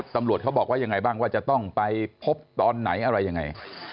ตำรวจเขาบอกว่ายังไงบ้างว่าจะต้องไปพบตอนไหนอะไรยังไง